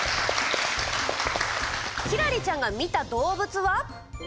輝星ちゃんが見た動物は？